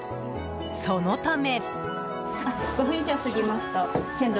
そのため。